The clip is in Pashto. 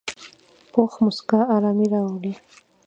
پوخ مسکا آرامي راوړي